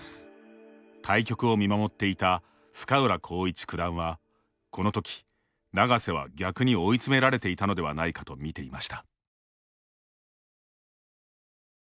対局を見守っていた深浦康市九段はこのとき永瀬は逆に追い詰められていたのではないかとみていました。